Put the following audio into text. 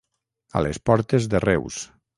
A les portes de Reus.